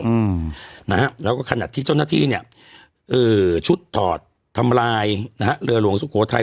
แล้วก็ขณะที่เจ้าหน้าที่เนี่ยชุดถอดทำลายเรือหลวงสุโขทัย